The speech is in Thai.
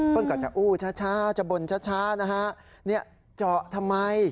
เปิ้ลก็จะอู้จ้าจ้าจะบ่นจ้าจ้านะฮะเนี้ยะเจาะทำไม